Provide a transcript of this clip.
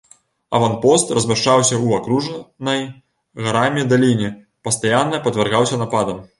Аванпост размяшчаўся ў акружанай гарамі даліне і пастаянна падвяргаўся нападам.